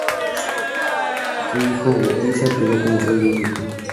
Su hijo Witiza quedó como rey único.